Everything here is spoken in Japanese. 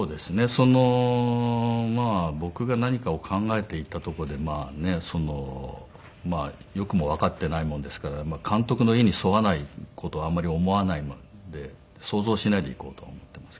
その僕が何かを考えていったとこでまあねよくもわかっていないもんですから監督の意に沿わない事をあんまり思わないで想像しないでいこうとは思っていますけど。